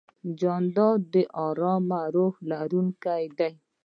جانداد د ارام روح لرونکی دی.